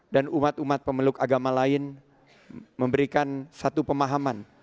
dan umat umat pemeluk agama lain memberikan satu pemahaman